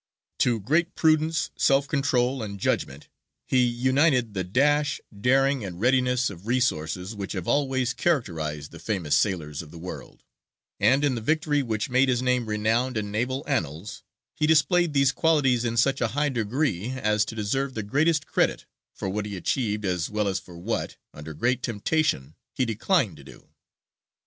To great prudence, self control, and judgment, he united the dash, daring, and readiness of resources which have always characterized the famous sailors of the world; and in the victory which made his name renowned in naval annals, he displayed these qualities in such a high degree as to deserve the greatest credit for what he achieved as well as for what, under great temptation, he declined to do.